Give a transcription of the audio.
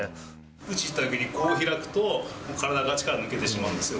打ちにいったときに、こう開くと、体の力が抜けてしまうんですよ。